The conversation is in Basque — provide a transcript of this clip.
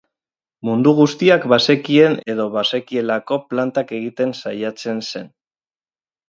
Mundu guztiak bazekien edo bazekielako plantak egiten saiatzen zen.